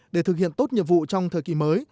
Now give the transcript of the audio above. để thực hiện tốt nhiệm vụ trong thời kỳ mới